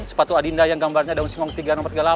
sepatu adinda yang gambarnya daun singong tiga empat delapan